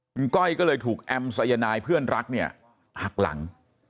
คุณก้อยก็เลยถูกแอมสายนายเพื่อนรักเนี่ยหักหลัง